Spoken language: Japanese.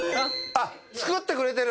あっ作ってくれてる。